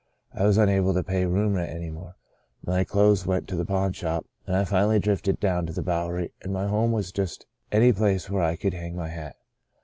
I was unable to pay room rent any more ; my clothes w^nt to the pawn shop, and I finally drifted down to the Bowery and my home was just any place where I could hang up my hat.